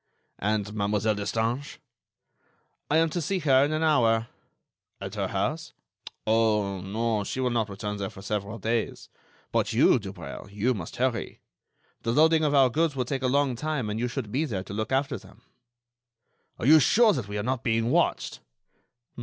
"And Mademoiselle Destange?" "I am to see her in an hour." "At her house?" "Oh! no; she will not return there for several days. But you, Dubreuil, you must hurry. The loading of our goods will take a long time and you should be there to look after them." "Are you sure that we are not being watched?"